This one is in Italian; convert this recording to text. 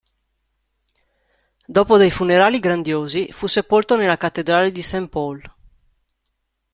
Dopo dei funerali grandiosi, fu sepolto nella Cattedrale di Saint Paul.